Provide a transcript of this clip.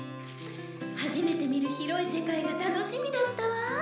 初めて見る広い世界が楽しみだったわ。